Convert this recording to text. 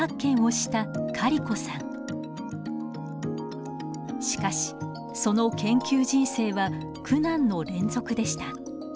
しかしその研究人生は苦難の連続でした。